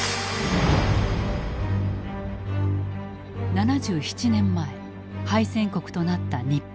７７年前敗戦国となった日本。